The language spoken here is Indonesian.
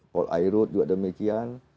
pol airut juga demikian